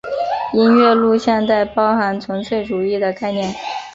音乐录像带包含纯粹主义的概念。